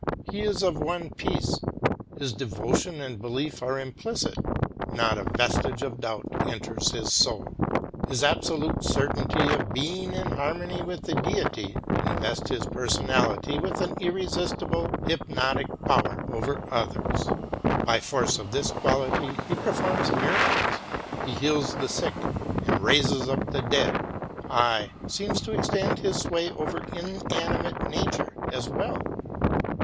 He is of one piece. His devotion and belief are implicit ; not a vestige of doubt enters his soul. His absolute cer tainty of being in harmony with the deity invest his personality with an irresistible hypnotic power over others. By force of this quality, he performs mira cles, he heals the sick and raises up the dead, aye, seems to extend his sway over inanimate nature as "w^ell.